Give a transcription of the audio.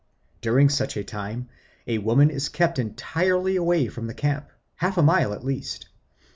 During such a time, a woman is kept entirely away from the camp, half a mile at least.